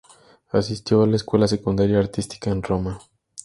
Asistió a la escuela secundaria artística en Roma.